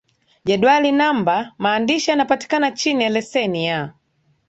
Jedwali Namba Maandishi yanapatikana chini ya leseni ya